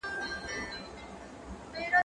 کار د ډلې لخوا ترسره کېږي،